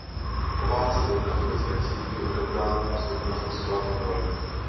Po válce byl katolické církvi odebrán a sloužil jako sklad hnojiv.